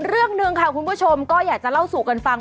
เรื่องหนึ่งค่ะคุณผู้ชมก็อยากจะเล่าสู่กันฟัง